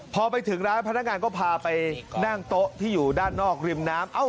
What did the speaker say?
พอไปถึงร้านพนักงานก็พาไปนั่งโต๊ะที่อยู่ด้านนอกริมน้ำ